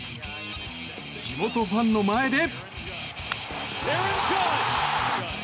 地元ファンの前で。